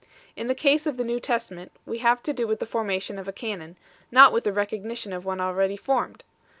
In the case of the New Tes tament, we have to do with the formation of a Canon, not with the recognition of one already formed.